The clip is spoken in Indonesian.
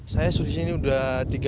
saya sudah di sini tiga bulan